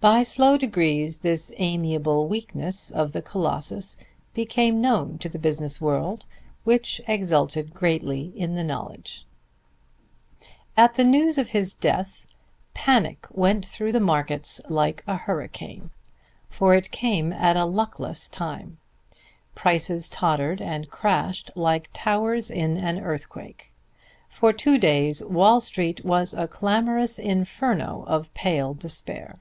By slow degrees this amiable weakness of the Colossus became known to the business world, which exulted greatly in the knowledge. At the news of his death, panic went through the markets like a hurricane; for it came at a luckless time. Prices tottered and crashed like towers in an earthquake. For two days Wall Street was a clamorous inferno of pale despair.